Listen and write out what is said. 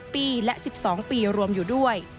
ปีและ๑๒ปีรวมอยู่ด้วย